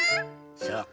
そう。